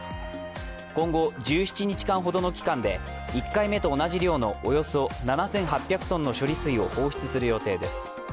今後、１７日間ほどの期間で１回目と同じ量のおよそ７８００ｔの処理水を放出する予定です。